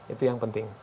itu yang penting